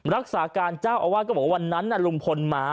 รักษาการเจ้าอาวาสก็บอกว่าวันนั้นลุงพลมา